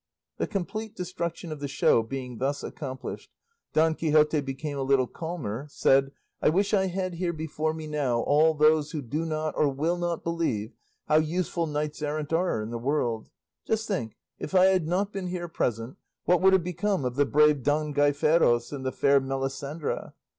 The complete destruction of the show being thus accomplished, Don Quixote became a little calmer, said, "I wish I had here before me now all those who do not or will not believe how useful knights errant are in the world; just think, if I had not been here present, what would have become of the brave Don Gaiferos and the fair Melisendra!